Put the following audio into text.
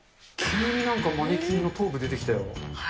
急になんか、マネキンの頭部出てきたよ。